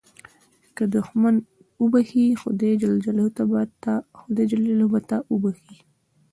که دوښمن وبخښې، خدای جل جلاله به تا وبخښي.